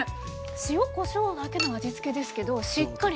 塩こしょうだけの味付けですけどしっかり